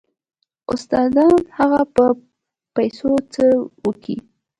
استاده هغه به په پيسو څه وکي.